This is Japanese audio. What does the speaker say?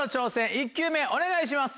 １球目お願いします。